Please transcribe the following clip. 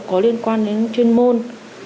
có liên quan đến chuyên môn